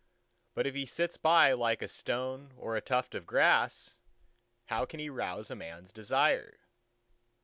But if he sits by like a stone or a tuft of grass, how can he rouse a man's desire?"